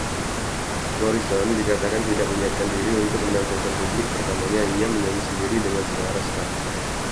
Morrison dikatakan tidak menyiapkan diri untuk penampilan publik pertamanya - ia menyanyi sendiri dengan suara serak.